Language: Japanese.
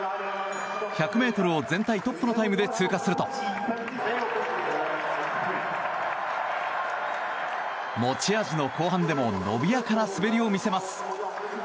１００ｍを全体トップのタイムで通過すると持ち味の後半でも伸びやかな滑りを見せます。